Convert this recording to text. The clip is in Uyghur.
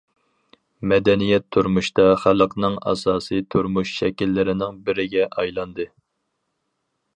مەدەنىيەت تۇرمۇشتا خەلقنىڭ ئاساسىي تۇرمۇش شەكىللىرىنىڭ بىرىگە ئايلاندى.